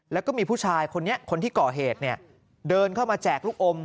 แล้วก็มีผู้ชายคนนี้คนที่ก่อเหตุเดินเข้ามาแจกลูกอม